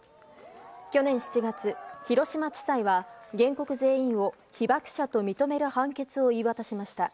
去年７月、広島地裁は原告全員を被爆者と認める判決を言い渡しました。